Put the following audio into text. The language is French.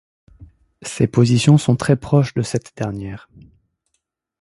Ses positions sont très proches de cette dernière.